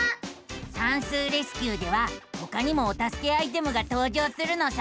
「さんすうレスキュー！」ではほかにもおたすけアイテムがとう場するのさ。